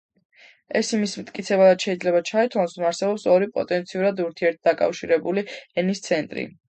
ეს იმის მტკიცებულებად შეიძლება ჩაითვალოს, რომ არსებობს ორი პოტენციურად ურთიერთდაკავშირებული ენის ცენტრი.